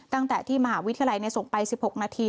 ตั้งแต่ที่มหาวิทยาลัยส่งไป๑๖นาที